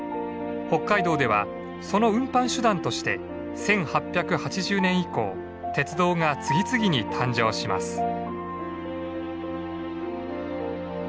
北海道ではその運搬手段として１８８０年以降鉄道が次々に誕生します。